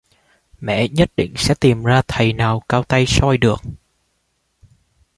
mẹ nhất định sẽ tìm ra thầy nào cao tay soi được